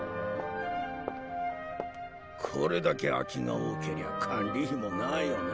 これだけ空きが多けりゃ管理費もないよね。